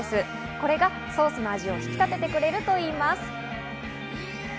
これがソースの味を引き立ててくれるといいます。